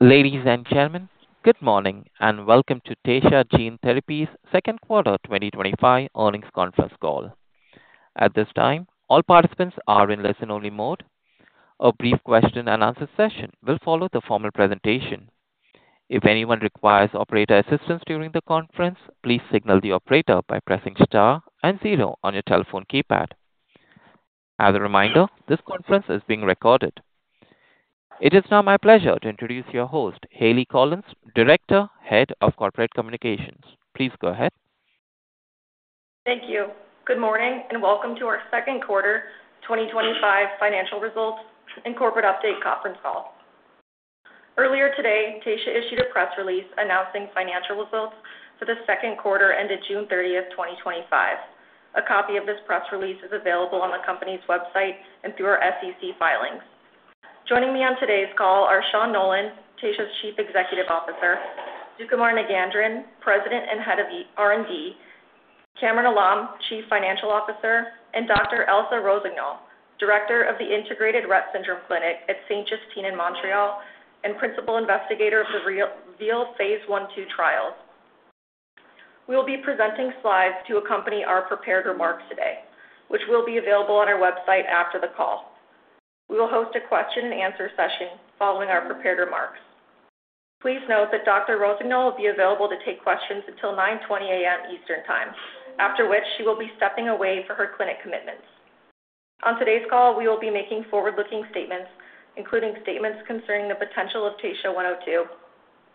Ladies and gentlemen, good morning and welcome to Taysha Gene Therapies' Second Quarter 2025 Earnings Conference Call. At this time, all participants are in listen-only mode. A brief question and answer session will follow the formal presentation. If anyone requires operator assistance during the conference, please signal the operator by pressing star and zero on your telephone keypad. As a reminder, this conference is being recorded. It is now my pleasure to introduce your host, Hayleigh Collins, Director, Head of Corporate Communications. Please go ahead. Thank you. Good morning and welcome to our Second Quarter 2025 Financial Results and Corporate Update conference call. Earlier today, Taysha issued a press release announcing financial results for the second quarter ended June 30th, 2025. A copy of this press release is available on the company's website and through our SEC filings. Joining me on today's call are Sean Nolan, Taysha's Chief Executive Officer; Sukumar Nagendran, President and Head of R&D; Kamran Alam, Chief Financial Officer; and Dr. Elsa Rossignol, Director of the Integrated Rett Syndrome Clinic at Sainte-Justine in Montreal and Principal Investigator of the REVEAL phase I/II trials. We will be presenting slides to accompany our prepared remarks today, which will be available on our website after the call. We will host a question and answer session following our prepared remarks. Please note that Dr. Rossignol will be available to take questions until 9:20 A.M. Eastern Time, after which she will be stepping away for her clinic commitments. On today's call, we will be making forward-looking statements, including statements concerning the potential of TSHA-102,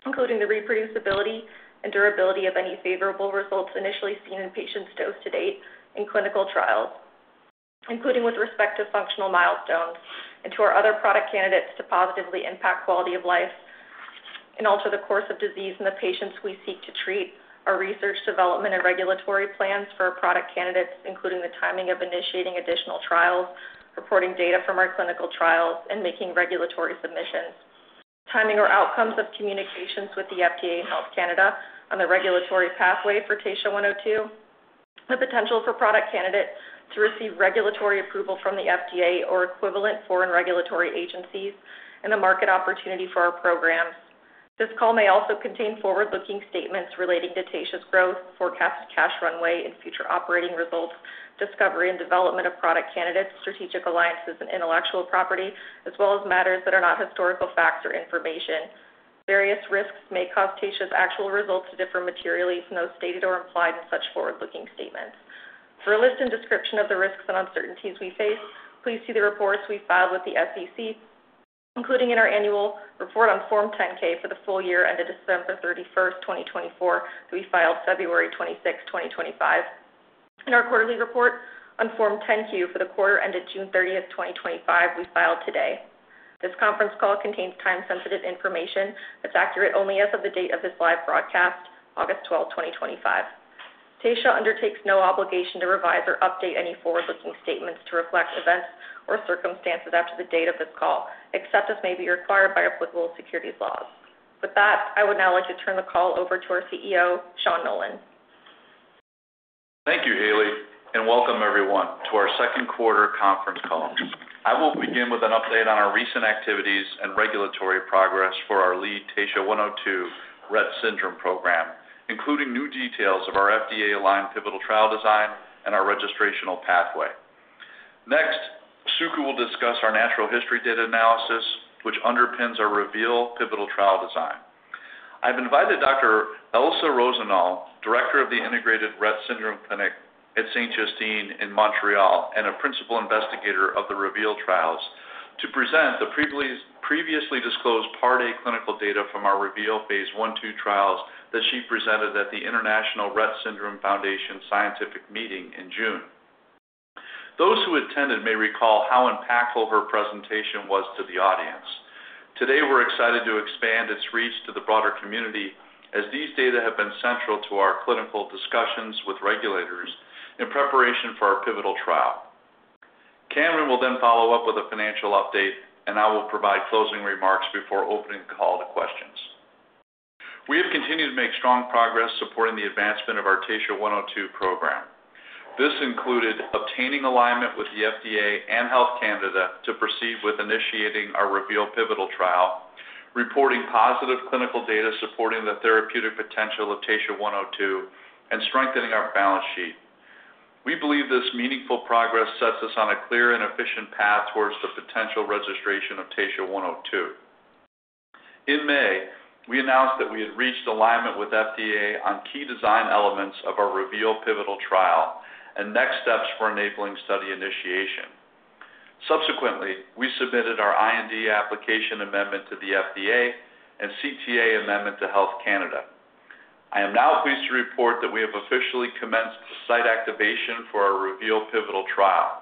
including the reproducibility and durability of any favorable results initially seen in patients dosed to date in clinical trials, including with respect to functional milestones and to our other product candidates to positively impact quality of life and alter the course of disease in the patients we seek to treat, our research, development, and regulatory plans for our product candidates, including the timing of initiating additional trials, reporting data from our clinical trials, and making regulatory submissions, timing or outcomes of communications with the FDA and Health Canada on the regulatory pathway for TSHA-102, the potential for product candidate to receive regulatory approval from the FDA or equivalent foreign regulatory agencies, and the market opportunity for our programs. This call may also contain forward-looking statements relating to Taysha's growth, forecast cash runway, and future operating results, discovery and development of product candidates, strategic alliances, and intellectual property, as well as matters that are not historical facts or information. Various risks may cause Taysha's actual results to differ materially if not stated or implied in such forward-looking statements. For a list and description of the risks and uncertainties we face, please see the reports we filed with the SEC, including in our annual report on Form 10-K for the full year ended December 31st, 2024, that we filed February 26th, 2025, and our quarterly report on Form 10-Q for the quarter ended June 30th, 2025, we filed today. This conference call contains time-sensitive information that's accurate only as of the date of this live broadcast, August 12th, 2025. Taysha undertakes no obligation to revise or update any forward-looking statements to reflect events or circumstances after the date of this call, except as may be required by applicable securities laws. With that, I would now like to turn the call over to our CEO, Sean Nolan. Thank you, Hayleigh, and welcome everyone to our second quarter conference call. I will begin with an update on our recent activities and regulatory progress for our lead TSHA-102 Rett Syndrome program, including new details of our FDA-aligned pivotal trial design and our registrational pathway. Next, Suku will discuss our natural history data analysis, which underpins our REVEAL pivotal trial design. I've invited Dr. Elsa Rossignol, Director of the Integrated Rett Syndrome Clinic at Sainte-Justine in Montreal and a Principal Investigator of the REVEAL trials, to present the previously disclosed Part A clinical data from our REVEAL phase I/II trials that she presented at the International Rett Syndrome Foundation Scientific Meeting in June. Those who attended may recall how impactful her presentation was to the audience. Today, we're excited to expand its reach to the broader community as these data have been central to our clinical discussions with regulators in preparation for our pivotal trial. Kamran will then follow up with a financial update, and I will provide closing remarks before opening the call to questions. We have continued to make strong progress supporting the advancement of our TSHA-102 program. This included obtaining alignment with the FDA and Health Canada to proceed with initiating our REVEAL pivotal trial, reporting positive clinical data supporting the therapeutic potential of TSHA-102, and strengthening our balance sheet. We believe this meaningful progress sets us on a clear and efficient path towards the potential registration of TSHA-102. In May, we announced that we had reached alignment with FDA on key design elements of our REVEAL pivotal trial and next steps for enabling study initiation. Subsequently, we submitted our IND application amendment to the FDA and CTA amendment to Health Canada. I am now pleased to report that we have officially commenced site activation for our REVEAL pivotal trial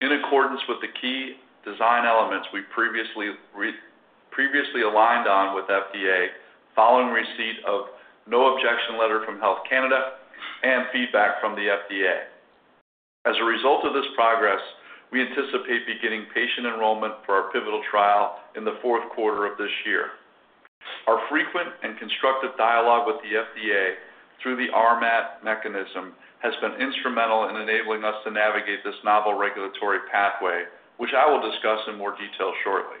in accordance with the key design elements we previously aligned on with FDA following receipt of no objection letter from Health Canada and feedback from the FDA. As a result of this progress, we anticipate beginning patient enrollment for our pivotal trial in the fourth quarter of this year. Our frequent and constructive dialogue with the FDA through the RMAT mechanism has been instrumental in enabling us to navigate this novel regulatory pathway, which I will discuss in more detail shortly.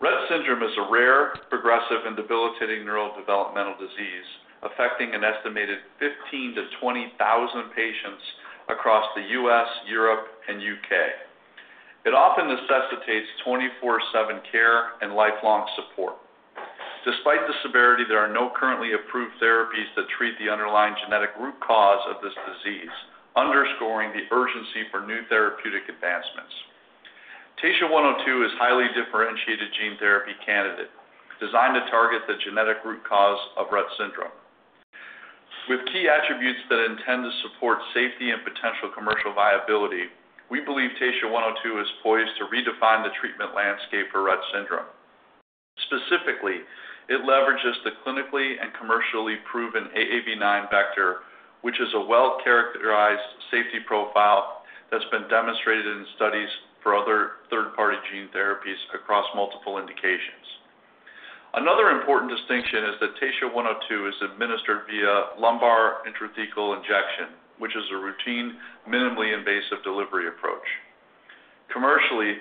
Rett Syndrome is a rare, progressive, and debilitating neurodevelopmental disease affecting an estimated 15,000-20,000 patients across the U.S., Europe, and UK. It often necessitates 24/7 care and lifelong support. Despite the severity, there are no currently approved therapies to treat the underlying genetic root cause of this disease, underscoring the urgency for new therapeutic advancements. TSHA-102 is a highly differentiated gene therapy candidate designed to target the genetic root cause of Rett Syndrome. With key attributes that intend to support safety and potential commercial viability, we believe TSHA-102 is poised to redefine the treatment landscape for Rett Syndrome. Specifically, it leverages the clinically and commercially proven AAV9 Vector, which has a well-characterized safety profile that's been demonstrated in studies for other third-party gene therapies across multiple indications. Another important distinction is that TSHA-102 is administered via lumbar intrathecal injection, which is a routine, minimally invasive delivery approach. Commercially,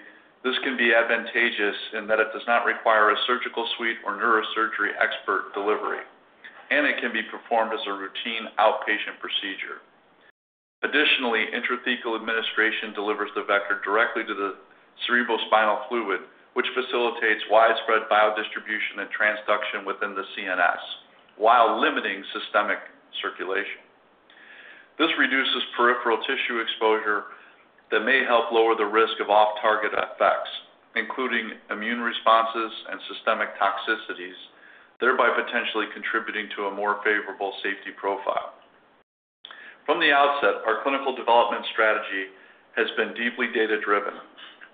this can be advantageous in that it does not require a surgical suite or neurosurgery expert delivery, and it can be performed as a routine outpatient procedure. Additionally, intrathecal administration delivers the vector directly to the cerebrospinal fluid, which facilitates widespread biodistribution and transduction within the CNS while limiting systemic circulation. This reduces peripheral tissue exposure that may help lower the risk of off-target effects, including immune responses and systemic toxicities, thereby potentially contributing to a more favorable safety profile. From the outset, our clinical development strategy has been deeply data-driven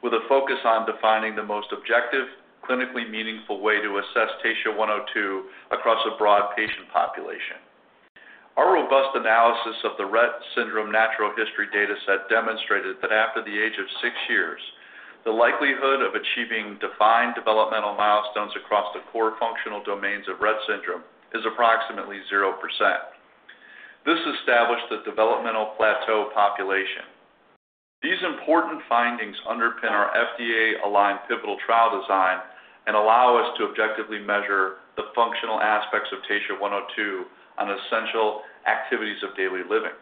with a focus on defining the most objective, clinically meaningful way to assess TSHA-102 across a broad patient population. Our robust analysis of the Rett Syndrome natural history data set demonstrated that after the age of six years, the likelihood of achieving defined developmental milestones across the core functional domains of Rett Syndrome is approximately 0%. This established the developmental plateau population. These important findings underpin our FDA-aligned pivotal trial design and allow us to objectively measure the functional aspects of TSHA-102 on essential activities of daily living.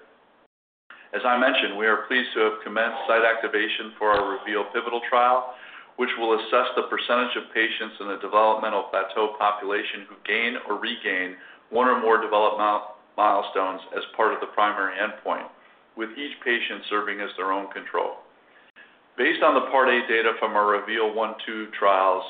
As I mentioned, we are pleased to have commenced site activation for our REVEAL pivotal trial, which will assess the percentage of patients in the developmental plateau population who gain or regain one or more developmental milestones as part of the primary endpoint, with each patient serving as their own control. Based on the Part A data from our REVEAL phase I/II trials,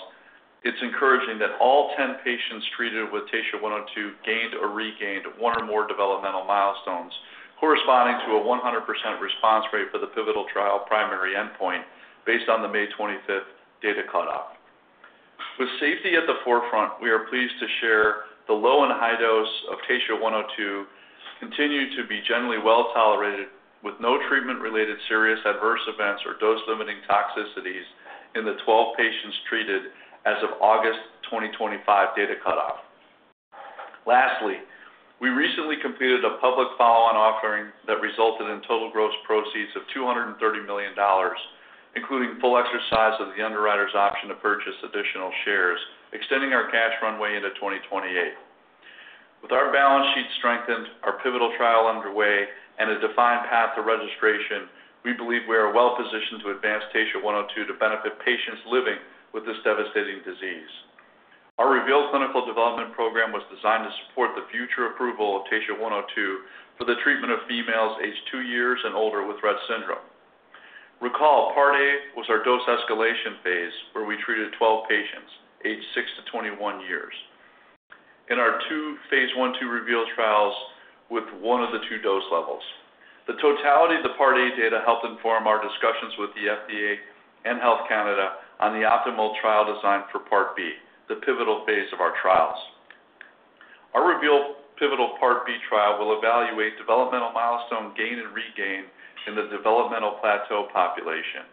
it's encouraging that all 10 patients treated with TSHA-102 gained or regained one or more developmental milestones, corresponding to a 100% response rate for the pivotal trial primary endpoint based on the May 25th data cutoff. With safety at the forefront, we are pleased to share the low and high dose of TSHA-102 continue to be generally well tolerated with no treatment-related serious adverse events or dose-limiting toxicities in the 12 patients treated as of August 2025 data cutoff. Lastly, we recently completed a public follow-on offering that resulted in total gross proceeds of $230 million, including full exercise of the underwriter's option to purchase additional shares, extending our cash runway into 2028. With our balance sheet strengthened, our pivotal trial underway, and a defined path to registration, we believe we are well positioned to advance TSHA-102 to benefit patients living with this devastating disease. Our REVEAL clinical development program was designed to support the future approval of TSHA-102 for the treatment of females aged two years and older with Rett Syndrome. Recall, Part A was our dose escalation phase where we treated 12 patients aged 6 to 21 years in our two phase I/II REVEAL trials with one of the two dose levels. The totality of the Part A data helped inform our discussions with the FDA and Health Canada on the optimal trial design for Part B, the pivotal phase of our trials. Our REVEAL pivotal Part B trial will evaluate developmental milestone gain and regain in the developmental plateau population.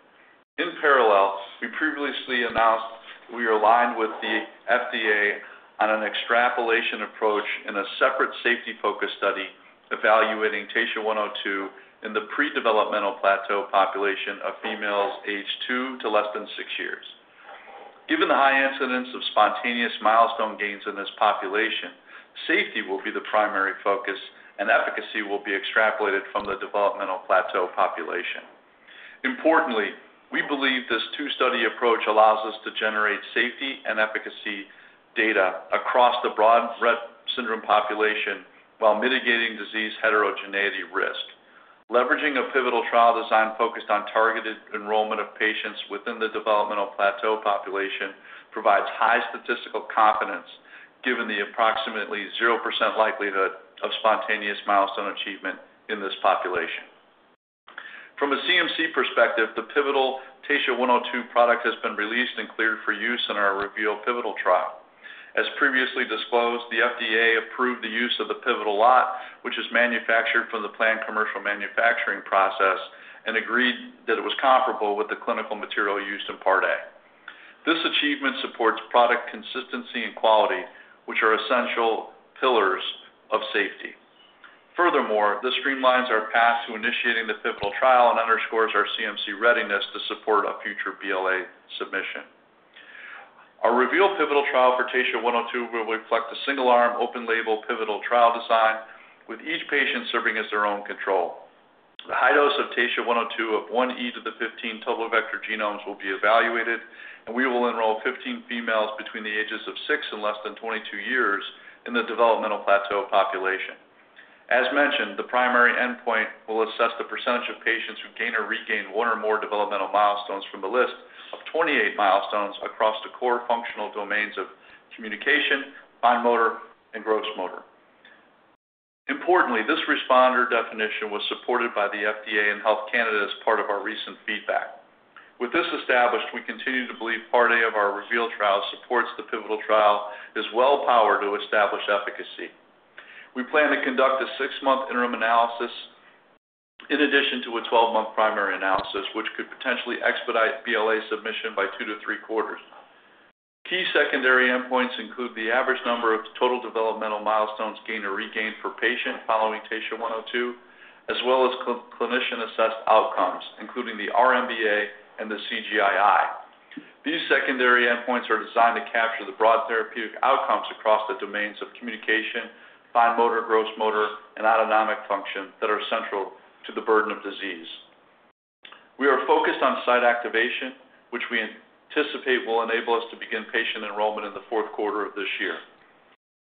In parallel, we previously announced we were aligned with the FDA on an extrapolation approach in a separate safety-focused study evaluating TSHA-102 in the pre-developmental plateau population of females aged two to less than six years. Given the high incidence of spontaneous milestone gains in this population, safety will be the primary focus and efficacy will be extrapolated from the developmental plateau population. Importantly, we believe this two-study approach allows us to generate safety and efficacy data across the broad Rett Syndrome population while mitigating disease heterogeneity risk. Leveraging a pivotal trial design focused on targeted enrollment of patients within the developmental plateau population provides high statistical competence given the approximately 0% likelihood of spontaneous milestone achievement in this population. From a CMC perspective, the pivotal TSHA-102 product has been released and cleared for use in our REVEAL pivotal trial. As previously disclosed, the FDA approved the use of the pivotal lot, which is manufactured from the planned commercial manufacturing process, and agreed that it was analytically comparable with the clinical material used in Part A. This achievement supports product consistency and quality, which are essential pillars of safety. Furthermore, this streamlines our path to initiating the pivotal trial and underscores our CMC readiness to support a future BLA submission. Our REVEAL pivotal trial for TSHA-102 will reflect a single-arm, open-label pivotal trial design with each patient serving as their own control. The high dose of TSHA-102 of 1x10¹⁵ total vector genomes (vg) will be evaluated, and we will enroll 15 females between the ages of six and less than 22 years in the developmental plateau population. As mentioned, the primary endpoint will assess the percentage of patients who gain or regain one or more developmental milestones from the list, 28 milestones across the core functional domains of communication, fine motor, and gross motor. Importantly, this responder definition was supported by the FDA and Health Canada as part of our recent feedback. With this established, we continue to believe Part A of our REVEAL trial supports the pivotal trial is well-powered to establish efficacy. We plan to conduct a six-month interim analysis in addition to a 12-month primary analysis, which could potentially expedite BLA submission by two to three quarters. Key secondary endpoints include the average number of total developmental milestones gained or regained per patient following TSHA-102, as well as clinician-assessed outcomes, including the R-MBA and the CGI-I. These secondary endpoints are designed to capture the broad therapeutic outcomes across the domains of communication, fine motor, gross motor, and autonomic function that are central to the burden of disease. We are focused on site activation, which we anticipate will enable us to begin patient enrollment in the fourth quarter of this year.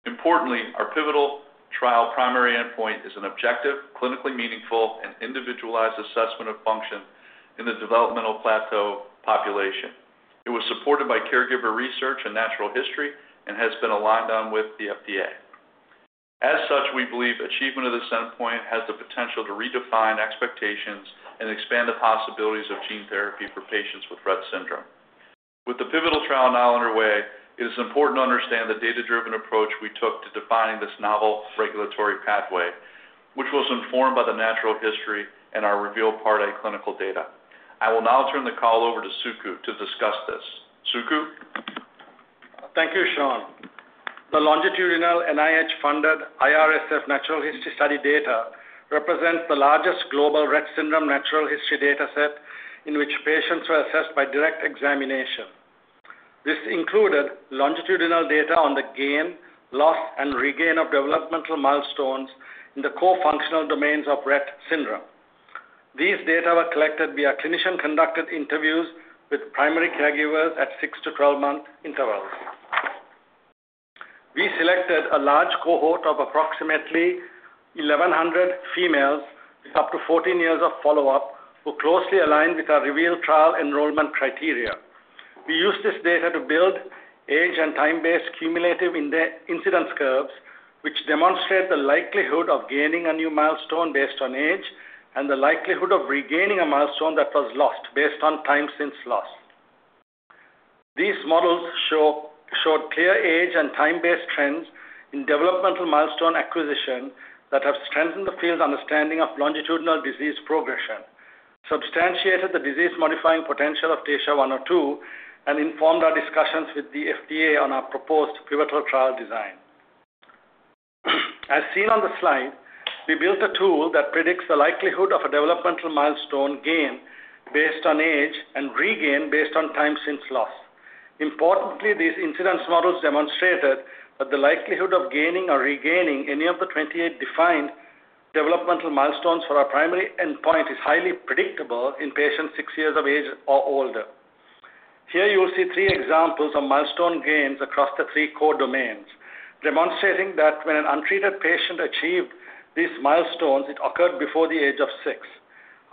Importantly, our pivotal trial primary endpoint is an objective, clinically meaningful, and individualized assessment of function in the developmental plateau population. It was supported by caregiver research and natural history and has been aligned on with the FDA. As such, we believe achievement of this endpoint has the potential to redefine expectations and expand the possibilities of gene therapy for patients with Rett Syndrome. With the pivotal trial now underway, it is important to understand the data-driven approach we took to defining this novel regulatory pathway, which was informed by the natural history and our REVEAL Part A clinical data. I will now turn the call over to Suku to discuss this. Suku. Thank you, Sean. The longitudinal NIH-funded IRSF natural history study data represents the largest global Rett Syndrome natural history data set in which patients were assessed by direct examination. This included longitudinal data on the gain, loss, and regain of developmental milestones in the core functional domains of Rett Syndrome. These data were collected via clinician-conducted interviews with primary caregivers at 6 month-12 month intervals. We selected a large cohort of approximately 1,100 females with up to 14 years of follow-up who closely aligned with our REVEAL trial enrollment criteria. We used this data to build age and time-based cumulative incidence curves, which demonstrate the likelihood of gaining a new milestone based on age and the likelihood of regaining a milestone that was lost based on time since loss. These models showed clear age and time-based trends in developmental milestone acquisition that have strengthened the field's understanding of longitudinal disease progression, substantiated the disease-modifying potential of TSHA-102, and informed our discussions with the FDA on our proposed pivotal trial design. As seen on the slide, we built a tool that predicts the likelihood of a developmental milestone gain based on age and regain based on time since loss. Importantly, these incidence models demonstrated that the likelihood of gaining or regaining any of the 28 defined developmental milestones for our primary endpoint is highly predictable in patients six years of age or older. Here, you'll see three examples of milestone gains across the three core domains, demonstrating that when an untreated patient achieved these milestones, it occurred before the age of six.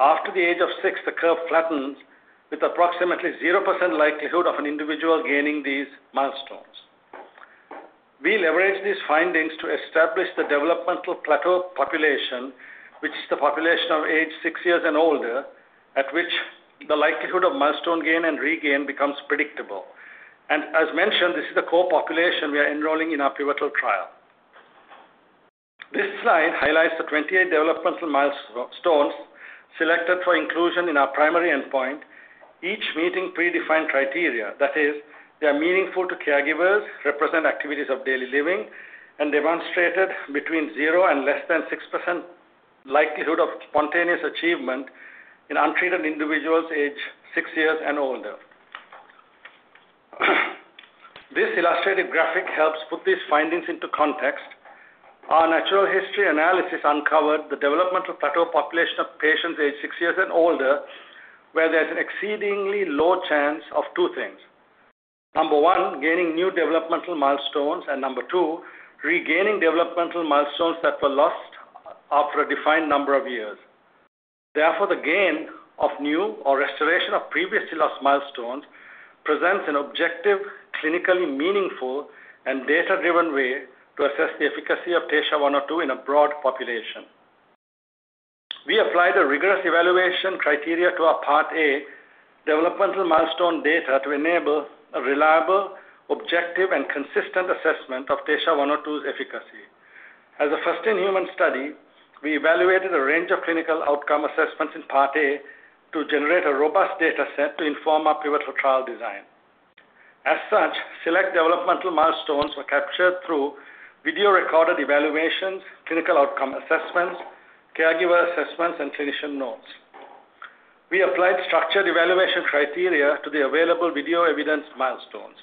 After the age of six, the curve flattens with approximately 0% likelihood of an individual gaining these milestones. We leveraged these findings to establish the developmental plateau population, which is the population of age six years and older, at which the likelihood of milestone gain and regain becomes predictable. This is the core population we are enrolling in our pivotal trial. This slide highlights the 28 developmental milestones selected for inclusion in our primary endpoint, each meeting predefined criteria. That is, they are meaningful to caregivers, represent activities of daily living, and demonstrated between 0% and less than 6% likelihood of spontaneous achievement in untreated individuals aged six years and older. This illustrative graphic helps put these findings into context. Our natural history analysis uncovered the developmental plateau population of patients aged six years and older, where there's an exceedingly low chance of two things: number one, gaining new developmental milestones, and number two, regaining developmental milestones that were lost after a defined number of years. Therefore, the gain of new or restoration of previously lost milestones presents an objective, clinically meaningful, and data-driven way to assess the efficacy of TSHA-102 in a broad population. We applied a rigorous evaluation criteria to our Part A developmental milestone data to enable a reliable, objective, and consistent assessment of TSHA-102's efficacy. As a first-in-human study, we evaluated a range of clinical outcome assessments in Part A to generate a robust data set to inform our pivotal trial design. As such, select developmental milestones were captured through video recorded evaluations, clinical outcome assessments, caregiver assessments, and clinician notes. We applied structured evaluation criteria to the available video evidence milestones.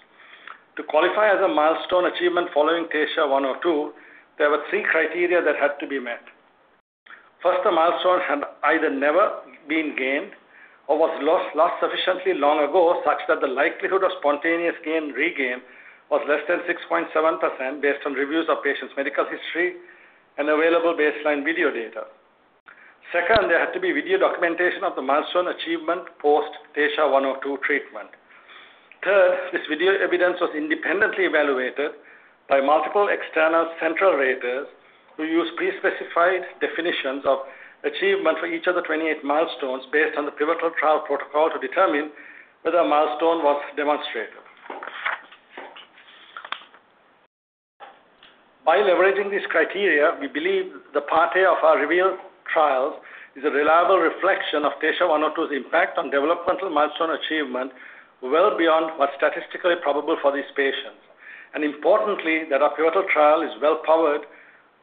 To qualify as a milestone achievement following TSHA-102, there were three criteria that had to be met. First, the milestones had either never been gained or were lost sufficiently long ago, such that the likelihood of spontaneous gain and regain was less than 6.7% based on reviews of patients' medical history and available baseline video data. Second, there had to be video documentation of the milestone achievement post TSHA-102 treatment. Third, this video evidence was independently evaluated by multiple external central raters who used pre-specified definitions of achievement for each of the 28 milestones based on the pivotal trial protocol to determine whether a milestone was demonstrated. By leveraging these criteria, we believe the Part A of our REVEAL trials is a reliable reflection of TSHA-102's impact on developmental milestone achievement well beyond what's statistically probable for these patients, and importantly, that our pivotal trial is well-powered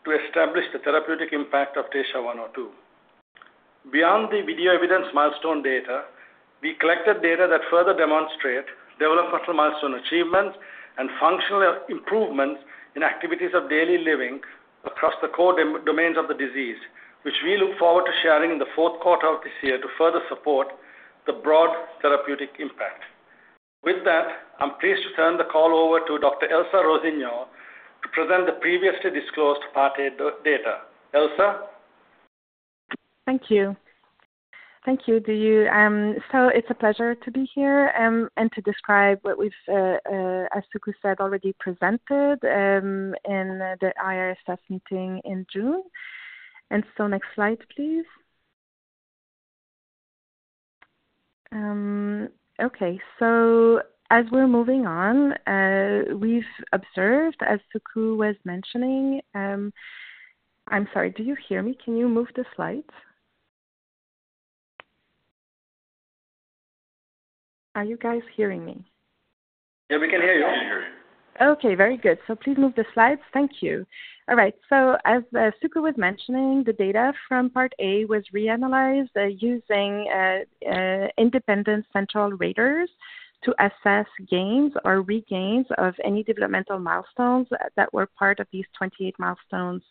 to establish the therapeutic impact of TSHA-102. Beyond the video evidence milestone data, we collected data that further demonstrates developmental milestone achievements and functional improvements in activities of daily living across the core domains of the disease, which we look forward to sharing in the fourth quarter of this year to further support the broad therapeutic impact. With that, I'm pleased to turn the call over to Dr. Elsa Rossignol to present the previously disclosed Part A data. Elsa. Thank you. Thank you. It's a pleasure to be here, and to describe what we've, as Suku said, already presented at the IRSF meeting in June. Next slide, please. Okay. As we're moving on, we've observed, as Suku was mentioning, I'm sorry. Do you hear me? Can you move the slides? Are you guys hearing me? Yeah, we can hear you. I hear you. Okay. Very good. Please move the slides. Thank you. All right. As Suku was mentioning, the data from Part A was reanalyzed using independent central raters to assess gains or regains of any developmental milestones that were part of these 28 milestones,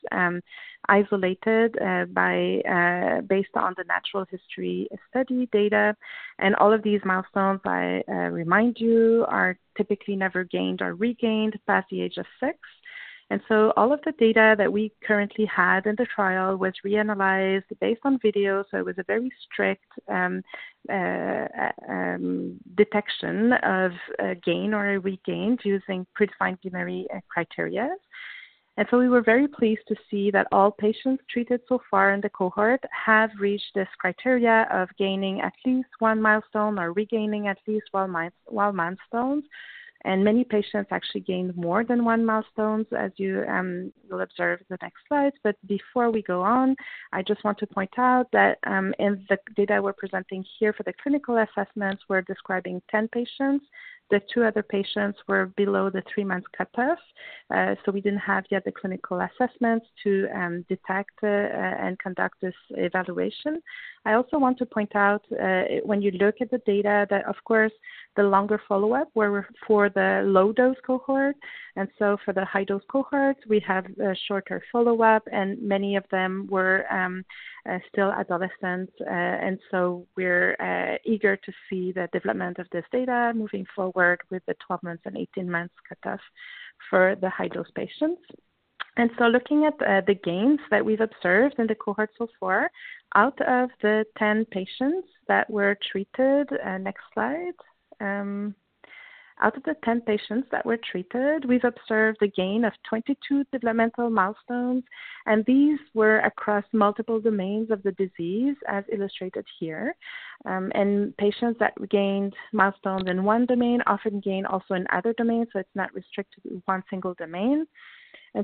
isolated based on the natural history study data. All of these milestones, I remind you, are typically never gained or regained past the age of six. All of the data that we currently had in the trial was reanalyzed based on video. It was a very strict detection of gain or regain using predefined binary criteria. We were very pleased to see that all patients treated so far in the cohort have reached this criteria of gaining at least one milestone or regaining at least one milestone. Many patients actually gained more than one milestone, as you will observe in the next slides. Before we go on, I just want to point out that in the data we're presenting here for the clinical assessments, we're describing 10 patients. The two other patients were below the three-month cutoff, so we didn't have yet the clinical assessments to detect and conduct this evaluation. I also want to point out, when you look at the data, that of course the longer follow-up was for the low-dose cohort. For the high-dose cohorts, we have a shorter follow-up, and many of them were still adolescent. We're eager to see the development of this data moving forward with the 12 months and 18 months cutoff for the high-dose patients. Looking at the gains that we've observed in the cohort so far, out of the 10 patients that were treated, next slide. Out of the 10 patients that were treated, we've observed the gain of 22 developmental milestones. These were across multiple domains of the disease, as illustrated here. Patients that gained milestones in one domain often gain also in other domains, so it's not restricted to one single domain.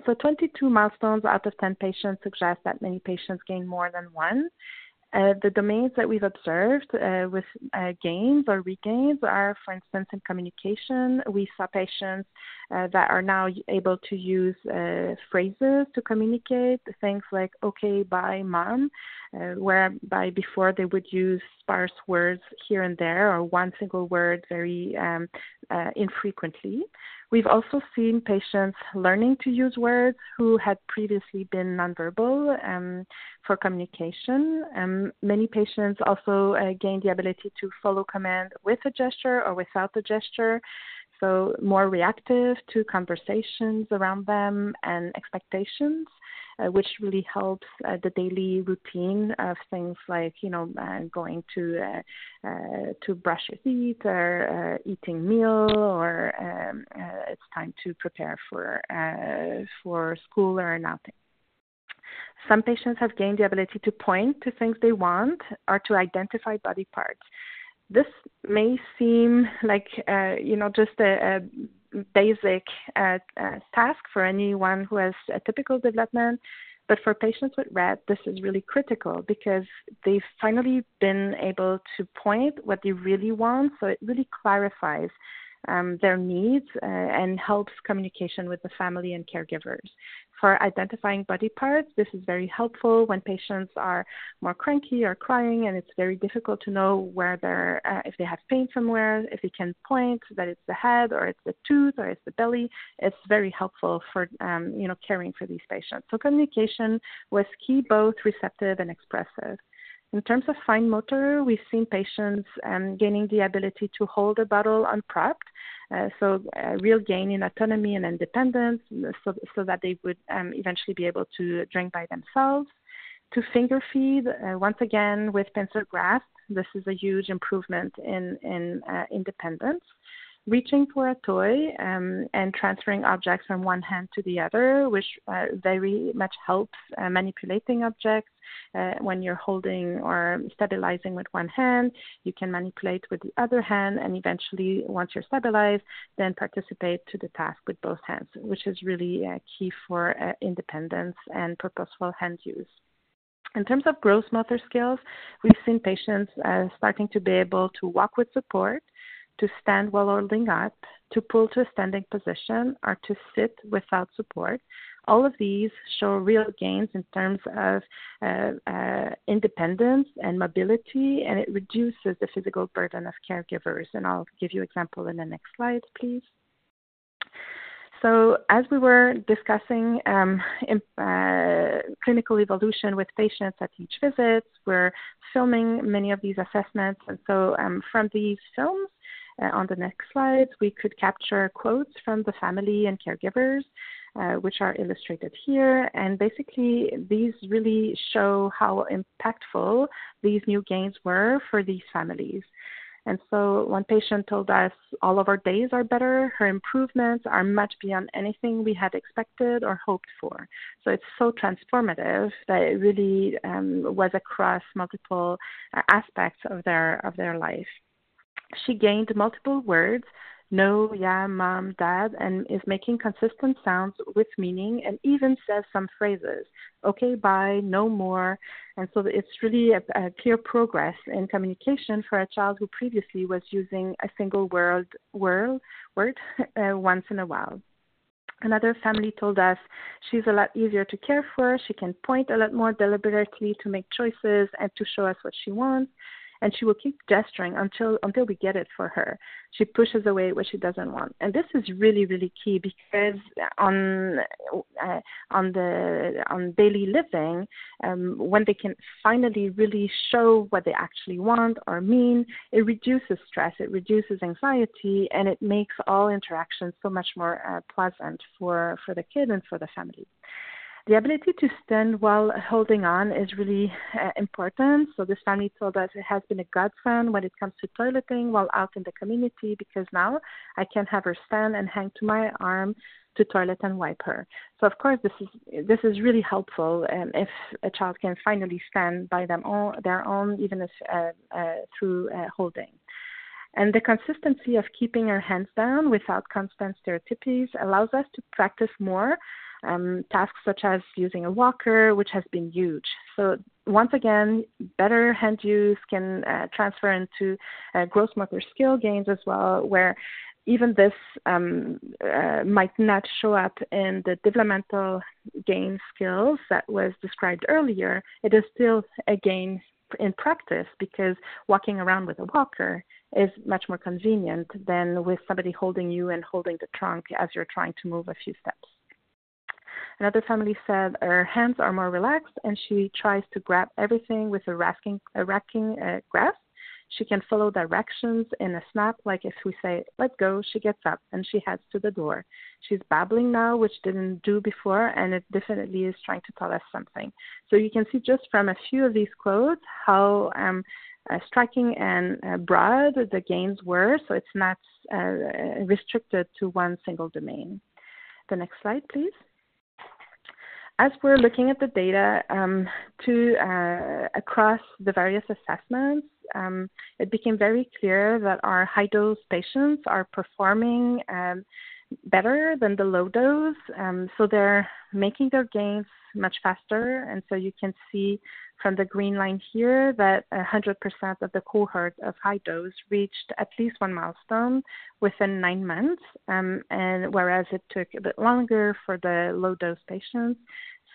22 milestones out of 10 patients suggest that many patients gain more than one. The domains that we've observed with gains or regains are, for instance, in communication. We saw patients that are now able to use phrases to communicate, things like, "Okay, bye, Mom," whereby before they would use sparse words here and there or one single word very infrequently. We've also seen patients learning to use words who had previously been nonverbal for communication. Many patients also gained the ability to follow commands with a gesture or without a gesture, so more reactive to conversations around them and expectations, which really helps the daily routine of things like, you know, going to brush your teeth or eating a meal or it's time to prepare for school or nothing. Some patients have gained the ability to point to things they want or to identify body parts. This may seem like, you know, just a basic task for anyone who has a typical development. For patients with Rett, this is really critical because they've finally been able to point what they really want. It really clarifies their needs and helps communication with the family and caregivers. For identifying body parts, this is very helpful when patients are more cranky or crying, and it's very difficult to know where they're, if they have pain somewhere. If you can point that it's the head or it's the tooth or it's the belly, it's very helpful for, you know, caring for these patients. Communication was key, both receptive and expressive. In terms of fine motor, we've seen patients gaining the ability to hold a bottle unpropped, so real gain in autonomy and independence, so that they would eventually be able to drink by themselves. To finger-feed, once again, with pencil grasp, this is a huge improvement in independence. Reaching for a toy and transferring objects from one hand to the other, which very much helps manipulating objects. When you're holding or stabilizing with one hand, you can manipulate with the other hand, and eventually, once you're stabilized, then participate to the task with both hands, which is really key for independence and purposeful hand use. In terms of gross motor skills, we've seen patients starting to be able to walk with support, to stand while holding up, to pull to a standing position, or to sit without support. All of these show real gains in terms of independence and mobility, and it reduces the physical burden of caregivers. I'll give you an example in the next slide, please. As we were discussing, in clinical evolution with patients at each visit, we're filming many of these assessments. From these films, on the next slides, we could capture quotes from the family and caregivers, which are illustrated here. Basically, these really show how impactful these new gains were for these families. One patient told us, "All of our days are better." Her improvements are much beyond anything we had expected or hoped for. It's so transformative that it really was across multiple aspects of their life. She gained multiple words: "No, yeah, Mom, Dad," and is making consistent sounds with meaning and even says some phrases, "Okay, bye, no more." It's really a clear progress in communication for a child who previously was using a single word once in a while. Another family told us, "She's a lot easier to care for. She can point a lot more deliberately to make choices and to show us what she wants. She will keep gesturing until we get it for her. She pushes away what she doesn't want." This is really, really key because on the daily living, when they can finally really show what they actually want or mean, it reduces stress, it reduces anxiety, and it makes all interactions so much more pleasant for the kid and for the family. The ability to stand while holding on is really important. This family told us, "It has been a godsend when it comes to toileting while out in the community because now I can have her stand and hang to my arm to toilet and wipe her." Of course, this is really helpful if a child can finally stand by their own, even if through holding. The consistency of keeping our hands down without constant stereotypies allows us to practice more tasks such as using a walker, which has been huge. Once again, better hand use can transfer into gross motor skill gains as well, where even if this might not show up in the developmental gain skills that was described earlier, it is still a gain in practice because walking around with a walker is much more convenient than with somebody holding you and holding the trunk as you're trying to move a few steps. Another family said, "Her hands are more relaxed, and she tries to grab everything with a raking grasp. She can follow directions in a snap, like if we say, 'Let go,' she gets up and she heads to the door. She's babbling now, which didn't do before, and it definitely is trying to tell us something." You can see just from a few of these quotes how striking and broad the gains were. It's not restricted to one single domain. The next slide, please. As we're looking at the data across the various assessments, it became very clear that our high-dose patients are performing better than the low-dose. They're making their gains much faster. You can see from the green line here that 100% of the cohort of high-dose reached at least one milestone within nine months, whereas it took a bit longer for the low-dose patients.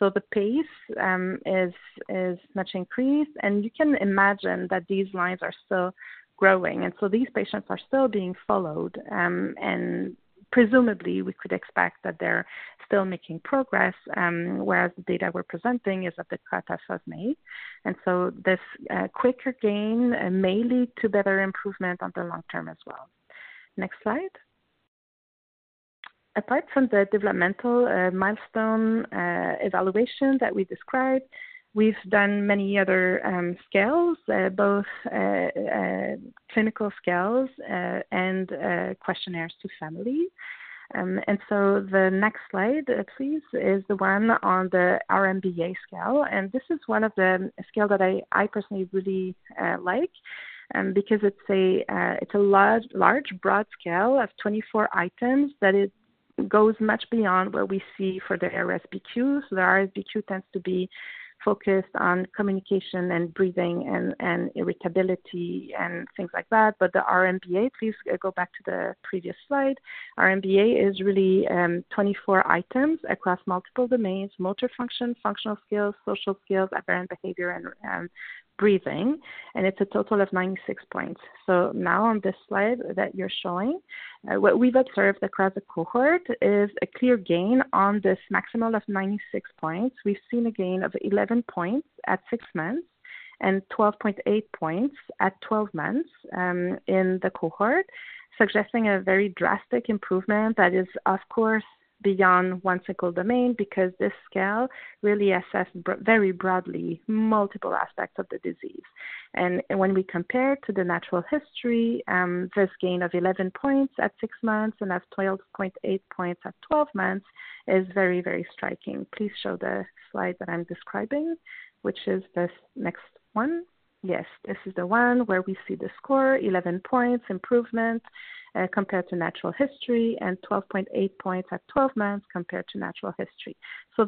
The pace is much increased. You can imagine that these lines are still growing. These patients are still being followed, and presumably, we could expect that they're still making progress, whereas the data we're presenting is at the cutoff of May. This quicker gain may lead to better improvement on the long term as well. Next slide. Apart from the developmental milestone evaluation that we described, we've done many other scales, both clinical scales and questionnaires to family. The next slide, please, is the one on the R-MBA scale. This is one of the scales that I personally really like because it's a large, broad scale of 24 items that goes much beyond what we see for the RSBQ. The RSBQ tends to be focused on communication, breathing, irritability, and things like that. The R-MBA—please go back to the previous slide. R-MBA is really 24 items across multiple domains: motor function, functional skills, social skills, aberrant behavior, and breathing. It's a total of 96 points. Now on this slide that you're showing, what we've observed across the cohort is a clear gain on this maximum of 96 points. We've seen a gain of 11 points at 6 months and 12.8 points at 12 months in the cohort, suggesting a very drastic improvement that is, of course, beyond one single domain because this scale really assessed very broadly multiple aspects of the disease. When we compare to the natural history, this gain of 11 points at 6 months and 12.8 points at 12 months is very, very striking. Please show the slide that I'm describing, which is this next one. Yes, this is the one where we see the score, 11 points improvement compared to natural history and 12.8 points at 12 months compared to natural history.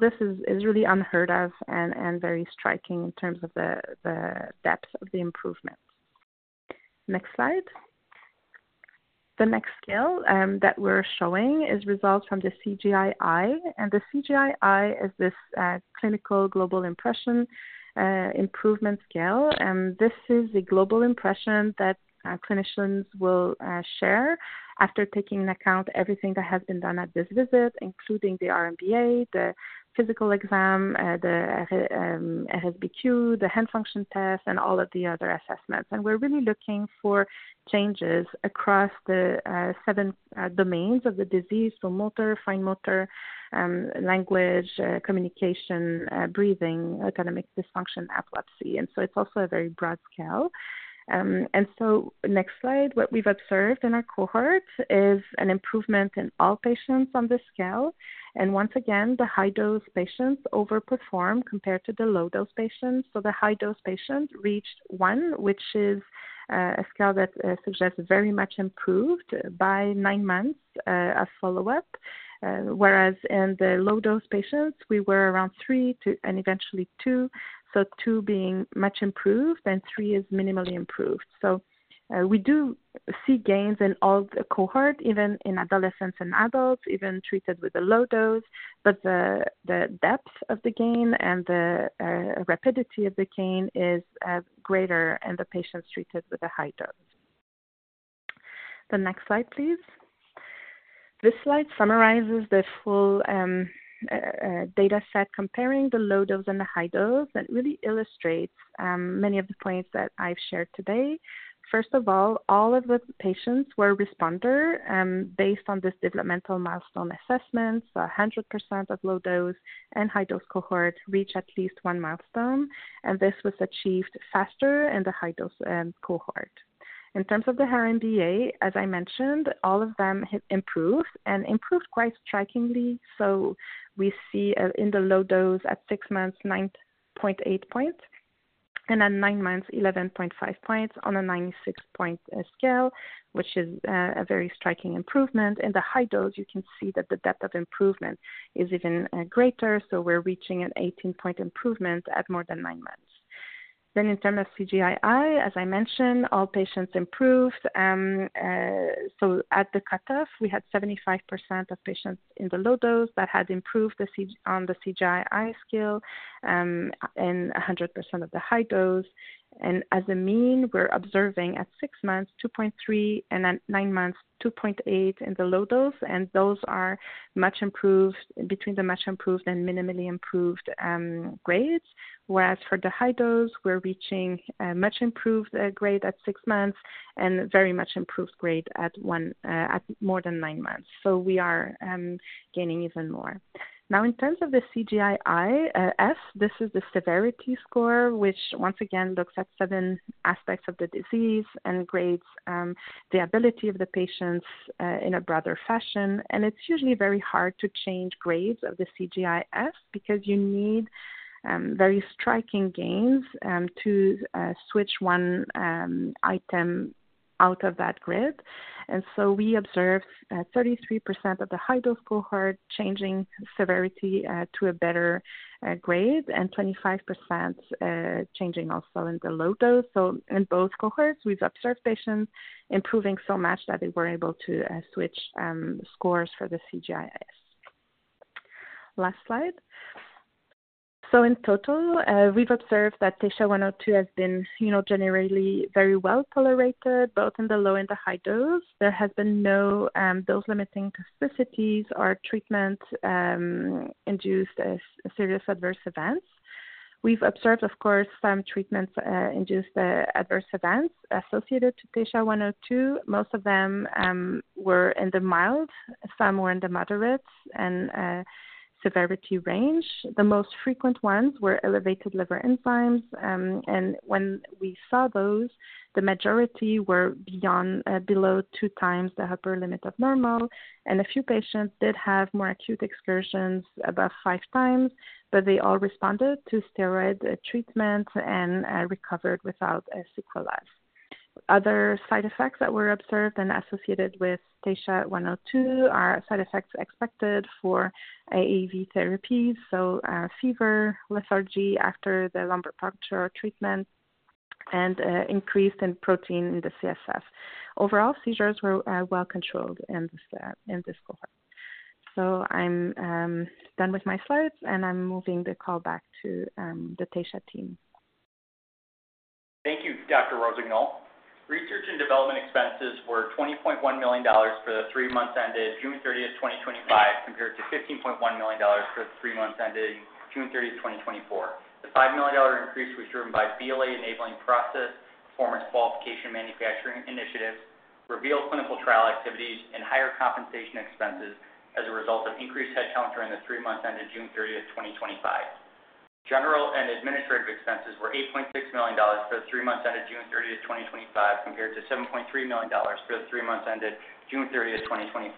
This is really unheard of and very striking in terms of the depth of the improvement. Next slide. The next scale that we're showing is results from the CGI-I. The CGI-I is this clinical global impression improvement scale. This is a global impression that clinicians will share after taking into account everything that has been done at this visit, including the R-MBA, the physical exam, the RSBQ, the hand function test, and all of the other assessments. We're really looking for changes across the seven domains of the disease: motor, fine motor, language, communication, breathing, autonomic dysfunction, epilepsy. It's also a very broad scale. Next slide, what we've observed in our cohort is an improvement in all patients on this scale. Once again, the high-dose patients overperform compared to the low-dose patients. The high-dose patients reached one, which is a scale that suggests very much improved by nine months of follow-up, whereas in the low-dose patients, we were around three to and eventually two. Two being much improved and three is minimally improved. We do see gains in all the cohort, even in adolescents and adults, even treated with a low dose. The depth of the gain and the rapidity of the gain is greater in the patients treated with a high dose. Next slide, please. This slide summarizes the full data set comparing the low dose and the high dose and really illustrates many of the points that I've shared today. First of all, all of the patients were responder based on this developmental milestone assessment. 100% of low-dose and high-dose cohorts reach at least one milestone. This was achieved faster in the high-dose cohort. In terms of the R-MBA, as I mentioned, all of them improved and improved quite strikingly. We see, in the low dose at 6 months, 9.8 points and at 9 months, 11.5 points on a 96-point scale, which is a very striking improvement. In the high dose, you can see that the depth of improvement is even greater. We're reaching an 18-point improvement at more than nine months. In terms of CGI-I, as I mentioned, all patients improved. At the cutoff, we had 75% of patients in the low dose that had improved the CGI-I scale, and 100% of the high dose. As a mean, we're observing at 6 months, 2.3, and at 9 months, 2.8 in the low dose. Those are much improved between the much improved and minimally improved grades. Whereas for the high dose, we're reaching a much improved grade at 6 months and a very much improved grade at one, at more than nine months. We are gaining even more. Now, in terms of the CGI-I-F, this is the severity score, which once again looks at seven aspects of the disease and grades the ability of the patients in a broader fashion. It's usually very hard to change grades of the CGI-I because you need very striking gains to switch one item out of that grid. We observed 33% of the high-dose cohort changing severity to a better grade, and 25% changing also in the low dose. In both cohorts, we've observed patients improving so much that they were able to switch scores for the CGI-I. Last slide. In total, we've observed that TSHA-102 has been generally very well tolerated both in the low and the high dose. There has been no dose-limiting toxicities or treatment-related serious adverse events. We've observed, of course, some treatment-induced adverse events associated to TSHA-102. Most of them were in the mild, some were in the moderate, severity range. The most frequent ones were elevated liver enzymes. When we saw those, the majority were below 2x the upper limit of normal. A few patients did have more acute excursions above 5x, but they all responded to steroid treatment and recovered without sequelae. Other side effects that were observed and associated with TSHA-102 are side effects expected for AAV therapy: fever, lethargy after the lumbar puncture treatment, and increase in protein in the CSF. Overall, seizures were well controlled in this cohort. I'm done with my slides, and I'm moving the call back to the Taysha team. Thank you, Dr. Rossignol. Research and development expenses were $20.1 million for the three months ended June 30, 2025, compared to $15.1 million for the three months ended June 30, 2024. The $5 million increase was driven by BLA enabling process performance qualification manufacturing initiatives, REVEAL clinical trial activities, and higher compensation expenses as a result of increased headcount during the three months ended June 30th, 2025. General and administrative expenses were $8.6 million for the three months ended June 30th, 2025, compared to $7.3 million for the three months ended June 30, 2024.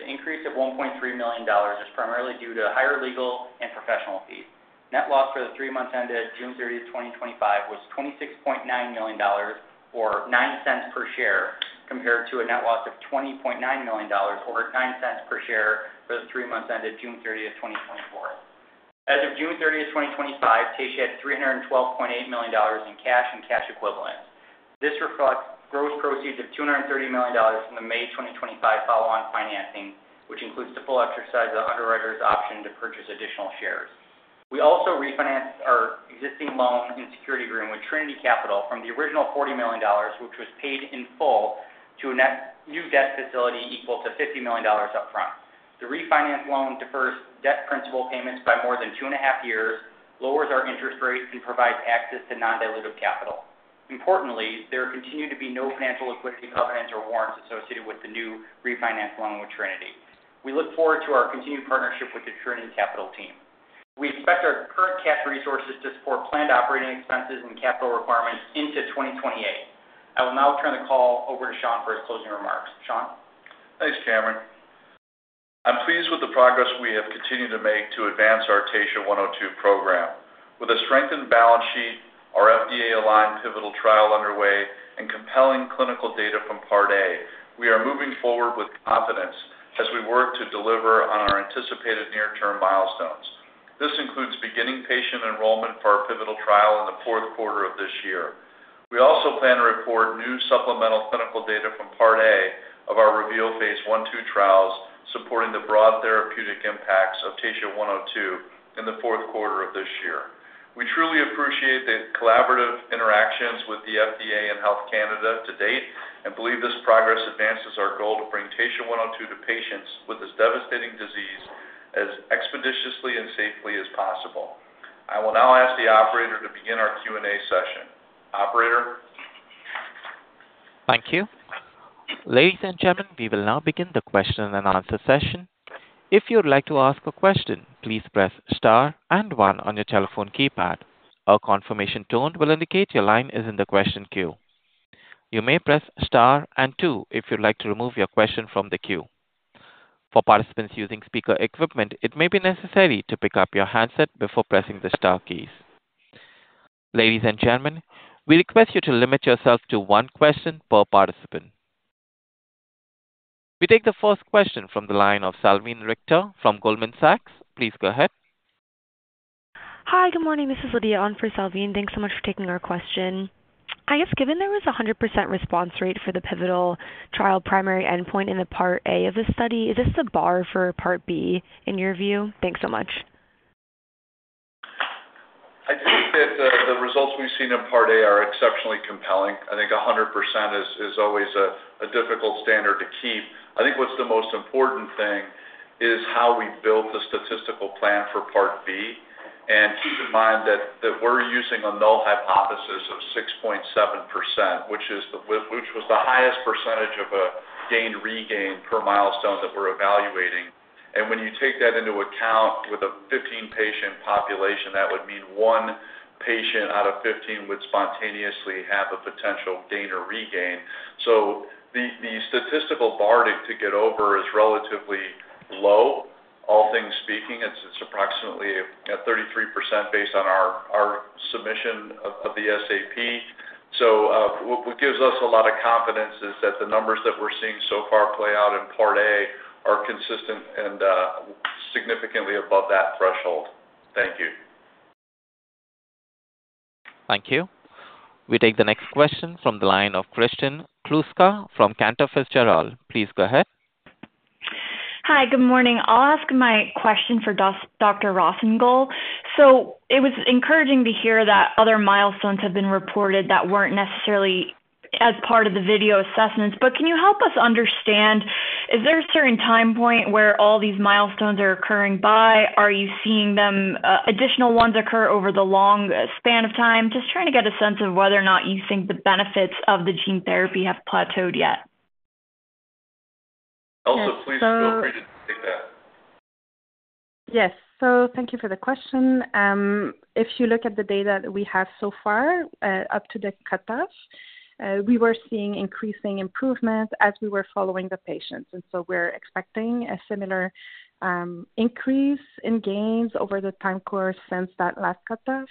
The increase of $1.3 million is primarily due to higher legal and professional fees. Net loss for the three months ended June 30, 2025 was $26.9 million or $0.09 per share, compared to a net loss of $20.9 million or $0.09 per share for the three months ended June 30th, 2024. As of June 30th, 2025, Taysha had $312.8 million in cash and cash equivalents. This reflects gross proceeds of $230 million in the May 2025 follow-on financing, which includes the full exercise of the underwriter's option to purchase additional shares. We also refinanced our existing loan and security agreement with Trinity Capital from the original $40 million, which was paid in full, to a net new debt facility equal to $50 million upfront. The refinanced loan defers debt principal payments by more than two and a half years, lowers our interest rate, and provides access to non-dilutive capital. Importantly, there continued to be no financial liquidity covenants or warrants associated with the new refinanced loan with Trinity. We look forward to our continued partnership with the Trinity Capital team. We expect our current cash resources to support planned operating expenses and capital requirements into 2028. I will now turn the call over to Sean for his closing remarks. Sean. Thanks, Kamran. I'm pleased with the progress we have continued to make to advance our TSHA-102 program. With a strengthened balance sheet, our FDA-aligned pivotal trial underway, and compelling clinical data from Part A, we are moving forward with confidence as we work to deliver on our anticipated near-term milestones. This includes beginning patient enrollment for our pivotal trial in the fourth quarter of this year. We also plan to report new supplemental clinical data from Part A of our REVEAL phase I/II trials supporting the broad therapeutic impacts of TSHA-102 in the fourth quarter of this year. We truly appreciate the collaborative interactions with the FDA and Health Canada to date and believe this progress advances our goal to bring TSHA-102 to patients with this devastating disease as expeditiously and safely as possible. I will now ask the operator to begin our Q&A session. Operator. Thank you. Ladies and gentlemen, we will now begin the question and answer session. If you would like to ask a question, please press star and one on your telephone keypad. A confirmation tone will indicate your line is in the question queue. You may press star and two if you'd like to remove your question from the queue. For participants using speaker equipment, it may be necessary to pick up your handset before pressing the star keys. Ladies and gentlemen, we request you to limit yourself to one question per participant. We take the first question from the line of Salveen Richter from Goldman Sachs. Please go ahead. Hi. Good morning. This is Lydia on for Salveen. Thanks so much for taking our question. I guess given there was a 100% response rate for the pivotal trial primary endpoint in the Part A of the study, is this the bar for Part B in your view? Thanks so much. I think that the results we've seen in Part A are exceptionally compelling. I think 100% is always a difficult standard to keep. I think what's the most important thing is how we built the statistical plan for Part B. Keep in mind that we're using a null hypothesis of 6.7%, which was the highest percentage of a gain/regain per milestone that we're evaluating. When you take that into account with a 15-patient population, that would mean 1 patient out of 15 would spontaneously have a potential gain or regain. The statistical bar to get over is relatively low. All things speaking, it's approximately 33% based on our submission of the SAP. What gives us a lot of confidence is that the numbers that we're seeing so far play out in Part A are consistent and significantly above that threshold. Thank you. Thank you. We take the next question from the line of Kristen Kluska from Cantor Fitzgerald. Please go ahead. Hi. Good morning. I'll ask my question for Dr. Rossignol. It was encouraging to hear that other milestones have been reported that weren't necessarily as part of the video assessments. Can you help us understand, is there a certain time point where all these milestones are occurring by? Are you seeing them, additional ones occur over the long span of time? Just trying to get a sense of whether or not you think the benefits of the gene therapy have plateaued yet. So. If I could take that. Yes. Thank you for the question. If you look at the data that we have so far, up to the cutoff, we were seeing increasing improvement as we were following the patients. We're expecting a similar increase in gains over the time course since that last cutoff.